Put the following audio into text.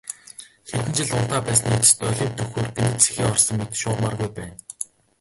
Хэдэн жил унтаа байсны эцэст олимп дөхөхөөр гэнэт сэхээ орсон мэт шуурмааргүй байна.